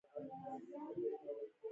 سرګردانیو سره باید حاجیان عادي شي.